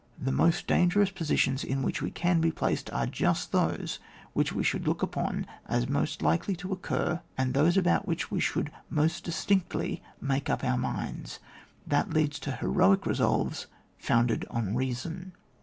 The most dan gerous positions in which we can be placed are just those which we should look upon as most likely to occur, and those about which we should most dis tinctly make up our minds. That leads to heroic resolves founded on reason.